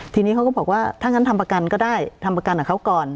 ทีนี้เขาก็บอกว่าถ้างั้นทำประกันก็ได้ทำประกันกับเขาก่อน